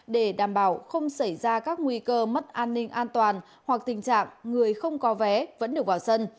để đảm bảo không xảy ra các nguy cơ mất an ninh an toàn hoặc tình trạng người không có vé vẫn được vào sân